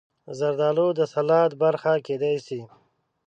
زردالو د سلاد برخه کېدای شي.